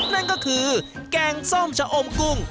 นั่นก็คือแกงส้มชะอมกุ้ง